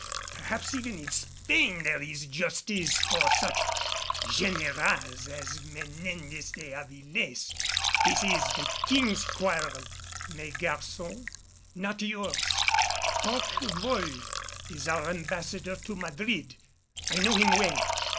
perhaps even in Spain there is justice for such Generals as Menendez de Avilés! This is the King's quarrel, mes garçons, not yours. Forquevaulx is our Ambassador to Madrid. I know him well.